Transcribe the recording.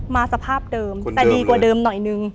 สภาพเดิมแต่ดีกว่าเดิมหน่อยนึง